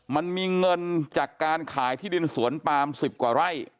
มันมีเงินจากการขายที่ดินสวนปาม๑๐กว่าไร่